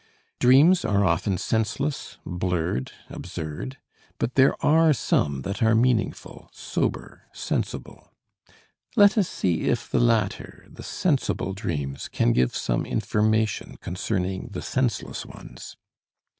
Dreams are often senseless, blurred, absurd; but there are some that are meaningful, sober, sensible. Let us see if the latter, the sensible dreams, can give some information concerning the senseless ones.